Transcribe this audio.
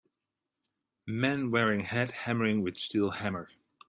Man wearing hat hammering with steel hammer.